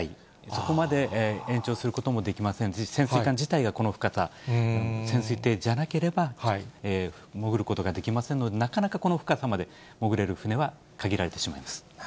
そこまで延長することもできませんし、潜水艦自体がこの深さ、潜水艇じゃなければ潜ることができませんので、なかなかこの深さまで潜れる船は限られてしまいます。